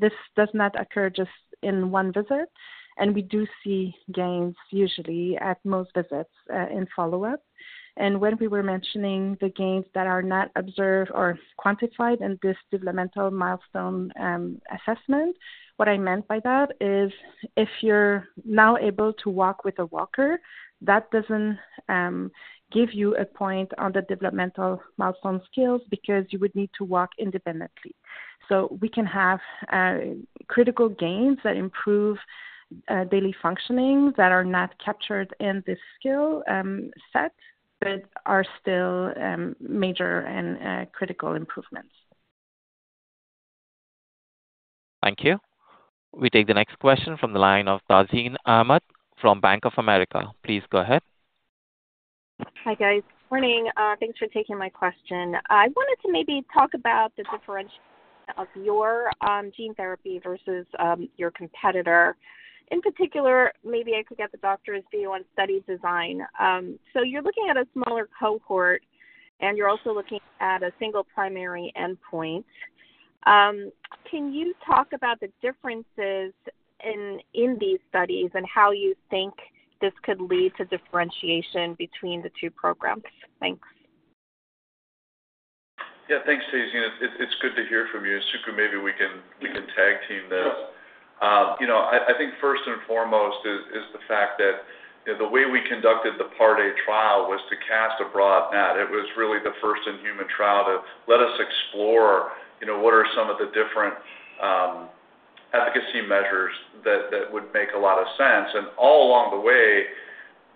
This does not occur just in one visit. We do see gains usually at most visits in follow-up. When we were mentioning the gains that are not observed or quantified in this developmental milestone assessment, what I meant by that is if you're now able to walk with a walker, that doesn't give you a point on the developmental milestone skills because you would need to walk independently. We can have critical gains that improve daily functioning that are not captured in this skill set but are still major and critical improvements. Thank you. We take the next question from the line of Tazeen Ahmad from Bank of America. Please go ahead. Hi, guys. Morning. Thanks for taking my question. I wanted to maybe talk about the differential of your gene therapy versus your competitor. In particular, maybe I could get the doctor's view on study design. You're looking at a smaller cohort, and you're also looking at a single primary endpoint. Can you talk about the differences in these studies and how you think this could lead to differentiation between the two programs? Thanks. Yeah. Thanks, Taysha. You know, it's good to hear from you. Suku, maybe we can tag team though. I think first and foremost is the fact that the way we conducted the Part A trial was to cast a broad net. It was really the first in-human trial to let us explore what are some of the different efficacy measures that would make a lot of sense. All along the way,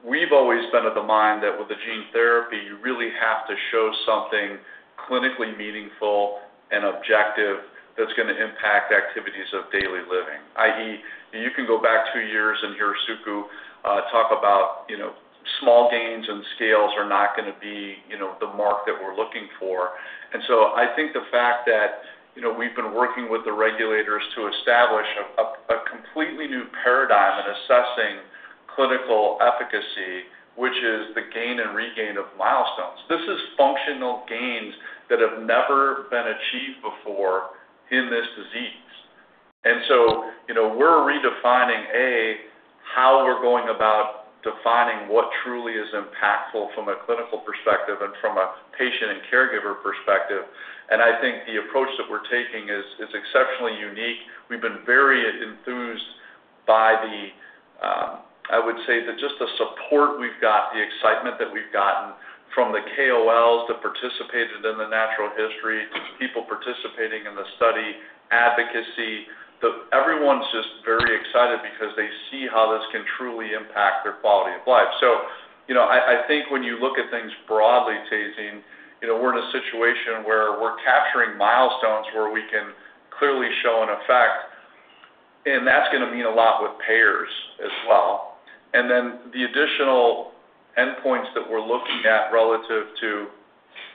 we've always been of the mind that with the gene therapy, you really have to show something clinically meaningful and objective that's going to impact activities of daily living. I.e., you can go back two years and hear Suku talk about small gains and scales are not going to be the mark that we're looking for. I think the fact that we've been working with the regulators to establish a completely new paradigm in assessing clinical efficacy, which is the gain and regain of milestones. This is functional gains that have never been achieved before in this disease. We're redefining, A, how we're going about defining what truly is impactful from a clinical perspective and from a patient and caregiver perspective. I think the approach that we're taking is exceptionally unique. We've been very enthused by the, I would say, just the support we've got, the excitement that we've gotten from the KOLs that participated in the natural history, people participating in the study, advocacy, that everyone's just very excited because they see how this can truly impact their quality of life. I think when you look at things broadly, Taysha, we're in a situation where we're capturing milestones where we can clearly show an effect. That's going to mean a lot with payers as well. The additional endpoints that we're looking at relative to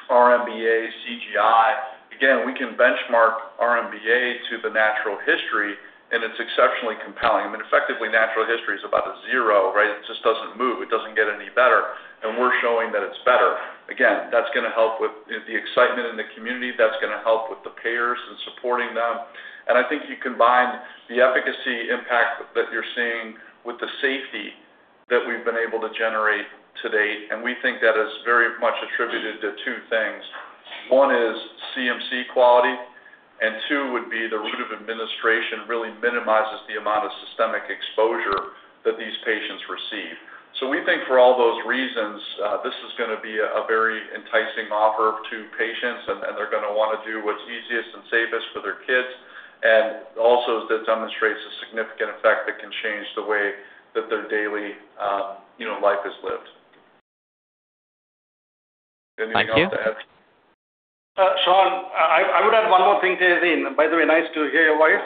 R-MBA, CGI, again, we can benchmark R-MBA to the natural history, and it's exceptionally compelling. Effectively, natural history is about a zero, right? It just doesn't move. It doesn't get any better. We're showing that it's better. Again, that's going to help with the excitement in the community. That's going to help with the payers and supporting them. I think you combine the efficacy impact that you're seeing with the safety that we've been able to generate to date. We think that is very much attributed to two things. One is CMC quality. Two would be the route of administration really minimizes the amount of systemic exposure that these patients receive. We think for all those reasons, this is going to be a very enticing offer to patients, and they're going to want to do what's easiest and safest for their kids. Also, that demonstrates a significant effect that can change the way that their daily, you know, life is lived. Thank you. Anything else to add? Sean, I would add one more thing to your theme. By the way, nice to hear your voice.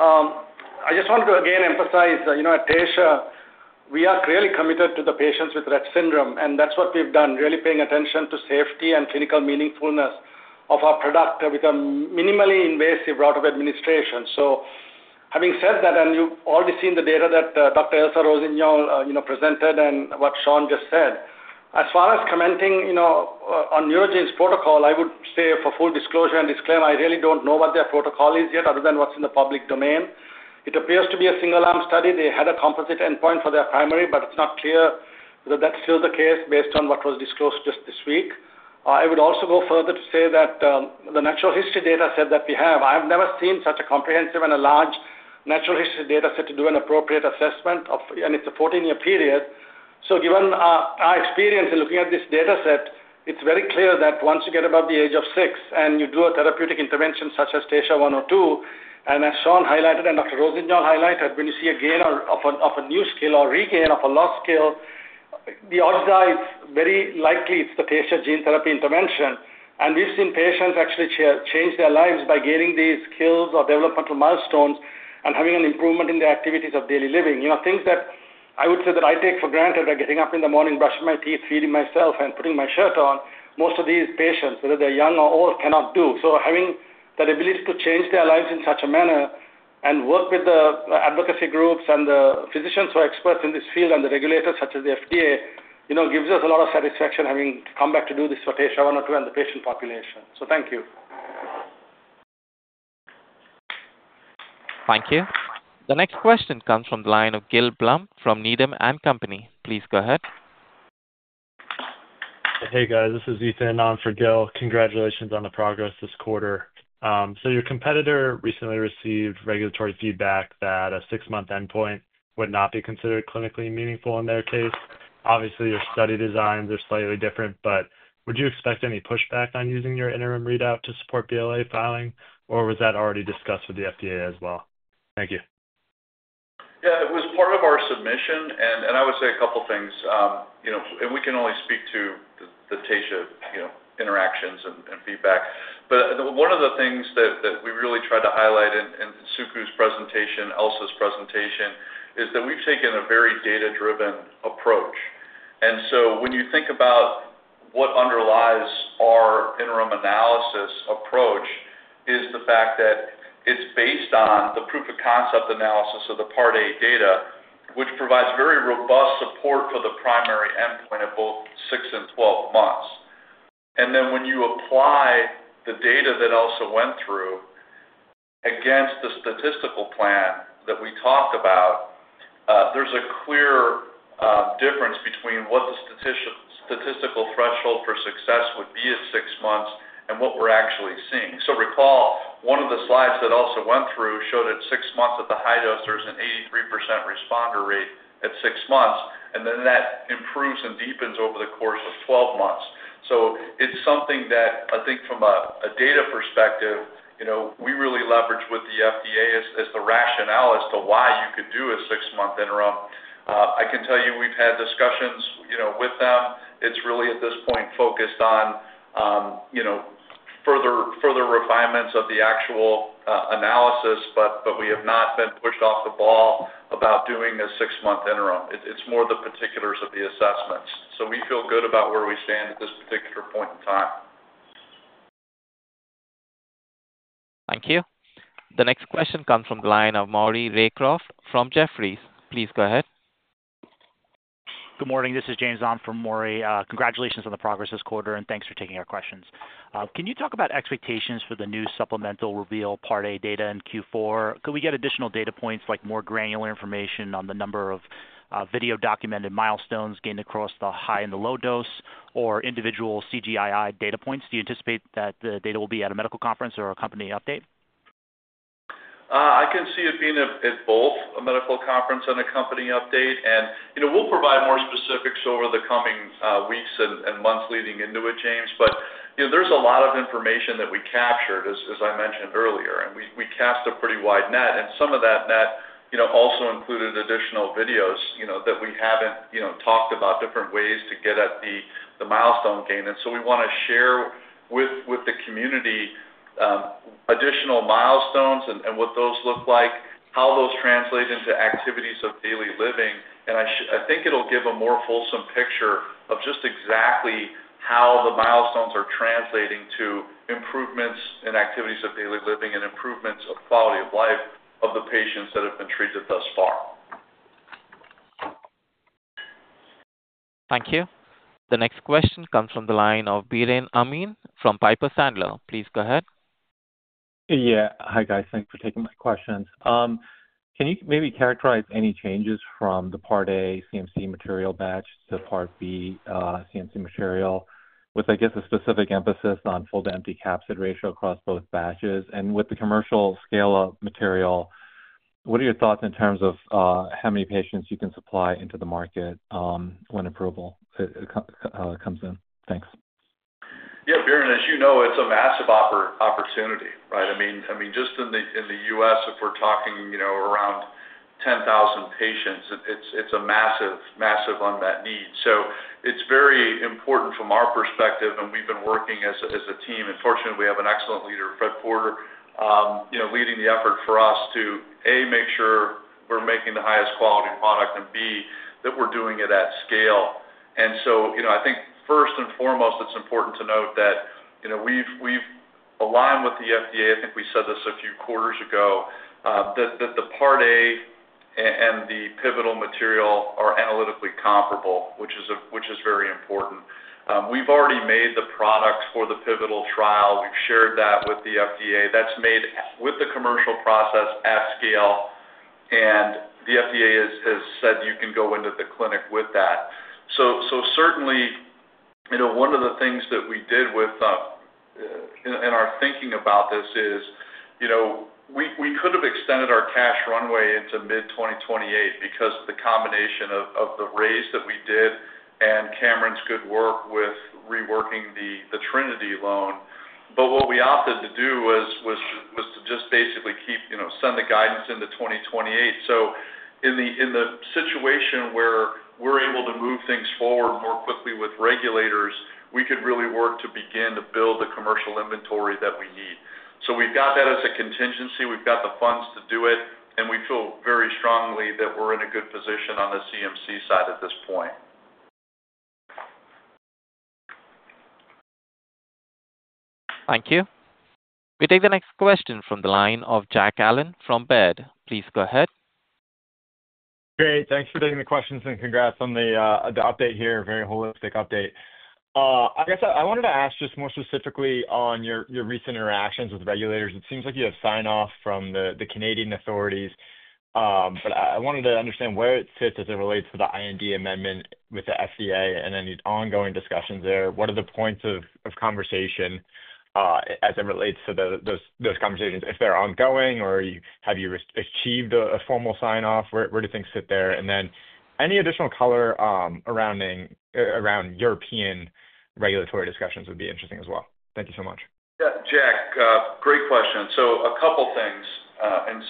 I just wanted to again emphasize, you know, at Taysha we are clearly committed to the patients with Rett Syndrome. That's what we've done, really paying attention to safety and clinical meaningfulness of our product with a minimally invasive route of administration. Having said that, and you've already seen the data that Dr. Elsa Rossignol presented and what Sean just said, as far as commenting on Neurogene's protocol, I would say for full disclosure and disclaimer, I really don't know what their protocol is yet other than what's in the public domain. It appears to be a single-arm study. They had a composite endpoint for their primary, but it's not clear that that's still the case based on what was disclosed just this week. I would also go further to say that the natural history data set that we have, I have never seen such a comprehensive and a large natural history data set to do an appropriate assessment of, and it's a 14-year period. Given our experience in looking at this data set, it's very clear that once you get above the age of six and you do a therapeutic intervention such as TSHA-102, and as Sean highlighted and Dr. Rossignol highlighted, when you see a gain of a new skill or regain of a lost skill, the odds are it's very likely it's the Taysha gene therapy intervention. We've seen patients actually change their lives by gaining these skills or developmental milestones and having an improvement in their activities of daily living. Things that I would say that I take for granted are getting up in the morning, brushing my teeth, feeding myself, and putting my shirt on. Most of these patients, whether they're young or old, cannot do. Having that ability to change their lives in such a manner and work with the advocacy groups and the physicians who are experts in this field and the regulators such as the FDA gives us a lot of satisfaction having come back to do this for TSHA-102 and the patient population. Thank you. The next question comes from the line of Gil Blum from Needham & Company. Please go ahead. Hey, guys. This is Ethan on for Gil. Congratulations on the progress this quarter. Your competitor recently received regulatory feedback that a six-month endpoint would not be considered clinically meaningful in their case. Obviously, your study designs are slightly different, but would you expect any pushback on using your interim readout to support BLA filing, or was that already discussed with the FDA as well? Thank you. Yeah. It was part of our submission. I would say a couple of things, you know, and we can only speak to the Taysha interactions and feedback. One of the things that we really tried to highlight in Suku's presentation, Elsa's presentation, is that we've taken a very data-driven approach. When you think about what underlies our interim analysis approach, it's the fact that it's based on the proof-of-concept analysis of the Part A data, which provides very robust support for the primary endpoint at both 6 and 12 months. When you apply the data that Elsa went through against the statistical plan that we talked about, there's a clear difference between what the statistical threshold for success would be at 6 months and what we're actually seeing. Recall, one of the slides that Elsa went through showed at 6 months at the high dose, there's an 83% responder rate at 6 months. That improves and deepens over the course of 12 months. It's something that I think from a data perspective, we really leverage with the FDA as the rationale as to why you could do a 6-month interim. I can tell you we've had discussions with them. It's really at this point focused on further refinements of the actual analysis. We have not been pushed off the ball about doing a 6-month interim. It's more the particulars of the assessments. We feel good about where we stand at this particular point in time. Thank you. The next question comes from the line of Maury Raycroft from Jefferies. Please go ahead. Good morning. This is James on for Maury. Congratulations on the progress this quarter, and thanks for taking our questions. Can you talk about expectations for the new supplemental REVEAL Part A data in Q4? Could we get additional data points like more granular information on the number of video-documented milestones gained across the high and the low dose or individual CGI-I data points? Do you anticipate that the data will be at a medical conference or a company update? I can see it being at both a medical conference and a company update. We'll provide more specifics over the coming weeks and months leading into it, James. There's a lot of information that we captured, as I mentioned earlier. We cast a pretty wide net. Some of that net also included additional videos that we haven't talked about, different ways to get at the milestone gain. We want to share with the community additional milestones and what those look like, how those translate into activities of daily living. I think it'll give a more fulsome picture of just exactly how the milestones are translating to improvements in activities of daily living and improvements of quality of life of the patients that have been treated thus far. Thank you. The next question comes from the line of Biren Amin from Piper Sandler. Please go ahead. Yeah. Hi, guys. Thanks for taking my questions. Can you maybe characterize any changes from the Part A CMC material batch to Part B CMC material with, I guess, a specific emphasis on full-to-empty capsid ratio across both batches? With the commercial scale-up material, what are your thoughts in terms of how many patients you can supply into the market when approval comes in? Thanks. Yeah. Biren, as you know, it's a massive opportunity, right? I mean, just in the U.S., if we're talking, you know, around 10,000 patients, it's a massive, massive unmet need. It is very important from our perspective, and we've been working as a team. Fortunately, we have an excellent leader, Fred Porter, leading the effort for us to, A, make sure we're making the highest quality product, and B, that we're doing it at scale. I think first and foremost, it's important to note that we've aligned with the FDA. I think we said this a few quarters ago, that the Part A and the pivotal material are analytically comparable, which is very important. We've already made the product for the pivotal trial. We've shared that with the FDA. That's made with the commercial process at scale, and the FDA has said you can go into the clinic with that. Certainly, one of the things that we did in our thinking about this is, we could have extended our cash runway into mid-2028 because of the combination of the raise that we did and Kamran's good work with reworking the Trinity Capital loan. What we opted to do was to just basically keep, you know, send the guidance into 2028. In the situation where we're able to move things forward more quickly with regulators, we could really work to begin to build the commercial inventory that we need. We've got that as a contingency. We've got the funds to do it, and we feel very strongly that we're in a good position on the CMC side at this point. Thank you. We take the next question from the line of Jack Allen from Baird. Please go ahead. Great. Thanks for taking the questions and congrats on the update here, very holistic update. I wanted to ask just more specifically on your recent interactions with regulators. It seems like you have sign-off from the Canadian authorities, but I wanted to understand where it sits as it relates to the IND amendment with the FDA and any ongoing discussions there. What are the points of conversation, as it relates to those conversations? If they're ongoing or have you achieved a formal sign-off? Where do things sit there? Any additional color around European regulatory discussions would be interesting as well. Thank you so much. Yeah. Jack, great question. A couple of things.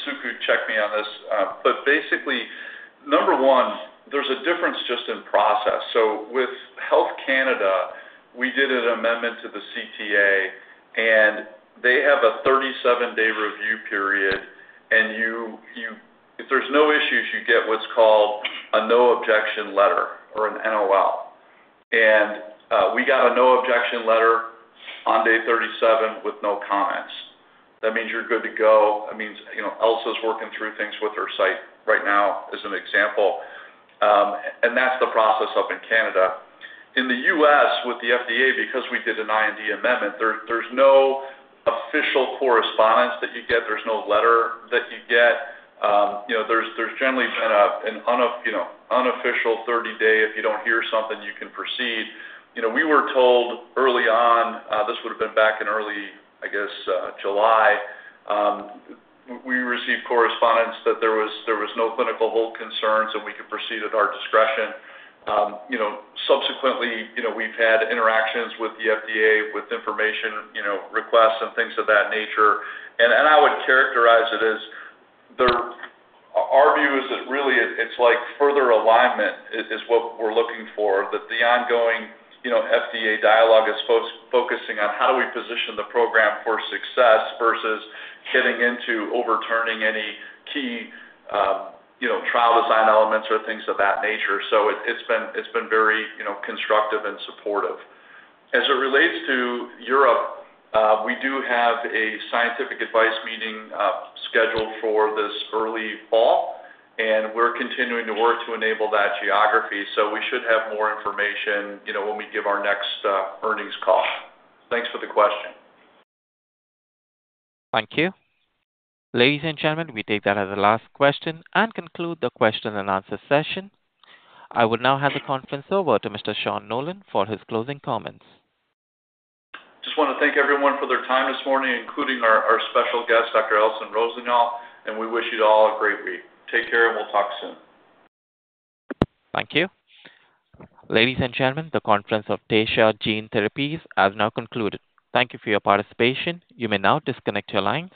Suku, check me on this. Basically, number one, there's a difference just in process. With Health Canada, we did an amendment to the CTA, and they have a 37-day review period. If there's no issues, you get what's called a no-objection letter or an NOL. We got a no-objection letter on day 37 with no comments. That means you're good to go. That means Elsa's working through things with her site right now as an example, and that's the process up in Canada. In the U.S., with the FDA, because we did an IND amendment, there's no official correspondence that you get. There's no letter that you get. There's generally been an unofficial 30-day. If you don't hear something, you can proceed. We were told early on, this would have been back in early, I guess, July, we received correspondence that there was no clinical hold concerns, and we could proceed at our discretion. Subsequently, we've had interactions with the FDA with information requests and things of that nature. I would characterize it as our view is that really, it's like further alignment is what we're looking for, that the ongoing FDA dialogue is focusing on how do we position the program for success versus hitting into overturning any key trial design elements or things of that nature. It's been very constructive and supportive. As it relates to Europe, we do have a scientific advice meeting scheduled for this early fall. We're continuing to work to enable that geography. We should have more information when we give our next earnings call. Thanks for the question. Thank you. Ladies and gentlemen, we take that as the last question and conclude the question and answer session. I will now hand the conference over to Mr. Sean Nolan for his closing comments. Just want to thank everyone for their time this morning, including our special guest, Dr. Elsa Rossignol. We wish you all a great week. Take care, and we'll talk soon. Thank you. Ladies and gentlemen, the conference of Taysha Gene Therapies has now concluded. Thank you for your participation. You may now disconnect your line.